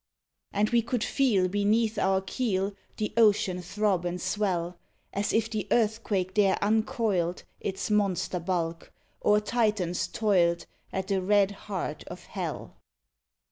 And we could feel beneath our keel The ocean throb and swell, As if the Earthquake there uncoiled Its monster bulk, or Titans toiled At the red heart of Hell.